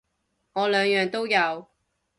我兩樣都有